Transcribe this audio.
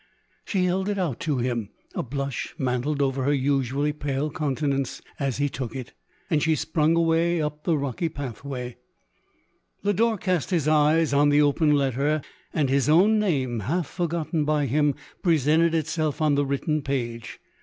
She held it out to him ; a blush mantled over her usually pale countenance as he took it ; and she sprung away up the rocky pathway. Lodore cast his eyes on the open letter, and his own name, half forgotten by him, presented itself on the written page.